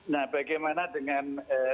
nah bagaimana dengan